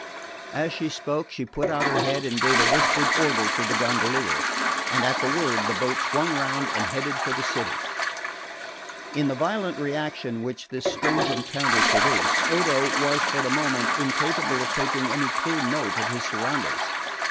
As she spoke she put out her head and gave a whispered order to the gondolier; and at the word the boat swung round and headed for the city. In the violent reaction which this strange encounter produced, Odo was for the moment incapable of taking any clear note of his surroundings.